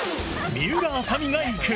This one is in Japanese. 水卜麻美が行く！